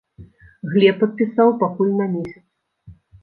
Глеб падпісаў пакуль на месяц.